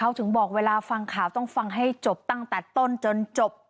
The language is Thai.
เขาถึงบอกเวลาฟังข่าวต้องฟังให้จบตั้งแต่ต้นจนจบ